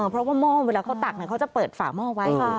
เพราะว่าหม้อเวลาเขาตักเขาจะเปิดฝาหม้อไว้